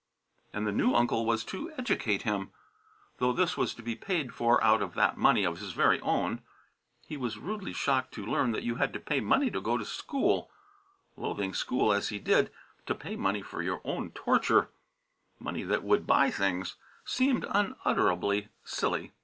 And the new uncle was to "educate" him, though this was to be paid for out of that money of his very own. He was rudely shocked to learn that you had to pay money to go to school. Loathing school as he did, to pay money for your own torture money that would buy things seemed unutterably silly.